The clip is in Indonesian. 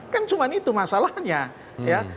kan cuma itu masalahnya ya